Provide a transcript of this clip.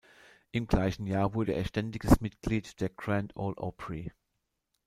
Im gleichen Jahr wurde er ständiges Mitglied der Grand Ole Opry.